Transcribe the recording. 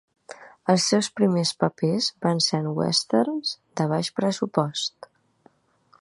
Els seus primers papers van ser en westerns de baix pressupost.